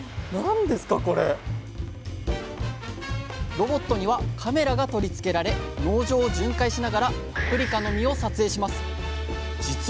ロボットにはカメラが取り付けられ農場を巡回しながらパプリカの実を撮影します。